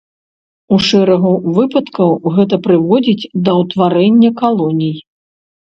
У шэрагу выпадкаў гэта прыводзіць да ўтварэння калоній.